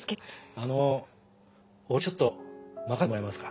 あの俺にちょっと任せてもらえますか？